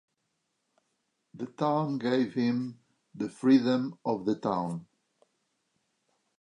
The town gave him the Freedom of the Town.